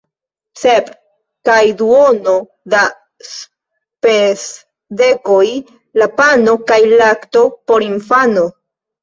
Sep kaj duono da spesdekoj la pano kaj lakto por la infano!